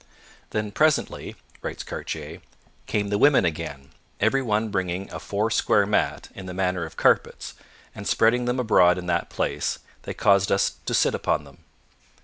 Then presently [writes Cartier] came the women again, every one bringing a four square mat in the manner of carpets, and spreading them abroad in that place, they caused us to sit upon them.